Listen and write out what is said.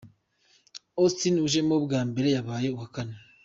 Austin ujemo bwa mbere yabaye uwa kane